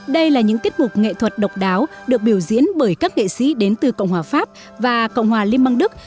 đây là những tiết mục nghệ thuật độc đáo được biểu diễn bởi các nghệ sĩ đến từ cộng hòa pháp và cộng hòa liên bang đức